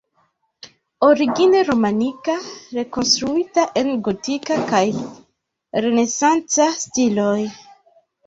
Origine romanika, rekonstruita en gotika kaj renesanca stiloj.